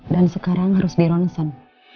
dan sekarang harus di ronsen